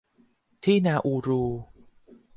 ที่นาอูรู